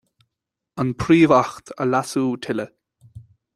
An Príomh-Acht a leasú tuilleadh.